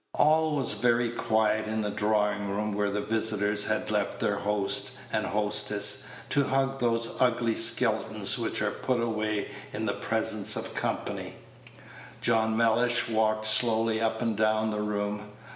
All was very quiet in the drawing room where the visitors had left their host and hostess to hug those ugly skeletons which are put away in the presence of company. John Mellish walked slowly up and down the room.